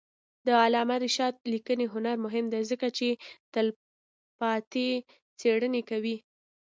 د علامه رشاد لیکنی هنر مهم دی ځکه چې تلپاتې څېړنې کوي.